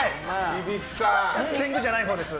天狗じゃないほうです。